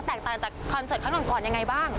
ต่างจากคอนเสิร์ตครั้งก่อนยังไงบ้าง